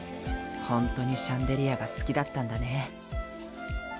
ホントにシャンデリアが好きだったんだね。